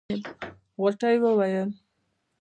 غوټۍ وويل.